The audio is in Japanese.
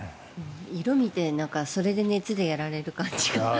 色見てそれで熱でやられる感じが。